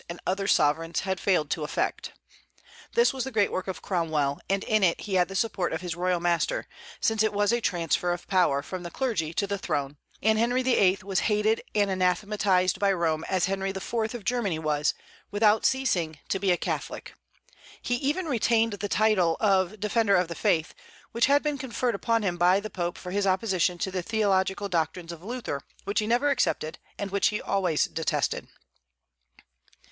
and other sovereigns, had failed to effect. This was the great work of Cromwell, and in it he had the support of his royal master, since it was a transfer of power from the clergy to the throne; and Henry VIII. was hated and anathematized by Rome as Henry IV. of Germany was, without ceasing to be a Catholic. He even retained the title of Defender of the Faith, which had been conferred upon him by the Pope for his opposition to the theological doctrines of Luther, which he never accepted, and which he always detested.